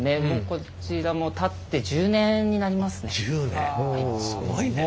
こちらも建って１０年になりますね。